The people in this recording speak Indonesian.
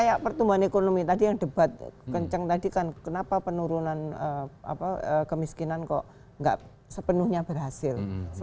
kayak pertumbuhan ekonomi tadi yang debat kencang tadi kan kenapa penurunan kemiskinan kok nggak sepenuhnya berhasil